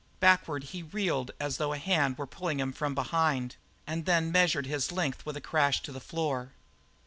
Backward he reeled as though a hand were pulling him from behind, and then measured his length with a crash on the floor.